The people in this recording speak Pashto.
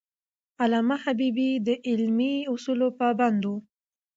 علامه حبیبي د علمي اصولو پابند و.